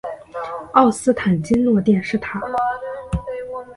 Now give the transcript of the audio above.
奥斯坦金诺电视塔。